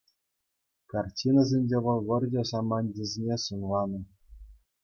Картинисенче вӑл вӑрҫӑ саманчӗсене сӑнланнӑ.